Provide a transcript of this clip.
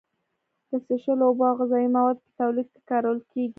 د څښلو اوبو او غذایي موادو په تولید کې کارول کیږي.